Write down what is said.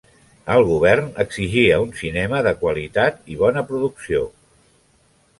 El govern exigia un cinema de qualitat i bona producció.